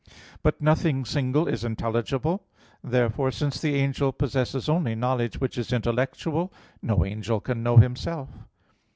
But nothing single is intelligible. Therefore, since the angel possesses only knowledge which is intellectual, no angel can know himself.